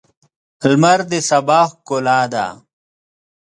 لمر د سبا ښکلا ده.